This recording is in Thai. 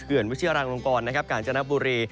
เขื่อนวิทยารังลงกรกาญจนบุรี